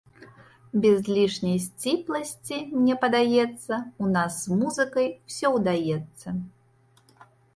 Без лішняй сціпласці, мне падаецца, у нас з музыкай усё ўдаецца.